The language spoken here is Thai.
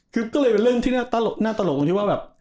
ก็เลยเป็นเรื่องที่น่าตลกว่าแบบ